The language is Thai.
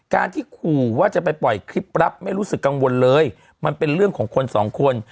การที่ขู่ว่าจะไปปล่อยคลิปรับไม่รู้สึกกังวลเลยมันเป็นเรื่องของคนสองคน